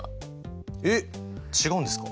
えっ違うんですか？